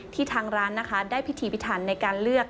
ทางร้านนะคะได้พิธีพิถันในการเลือก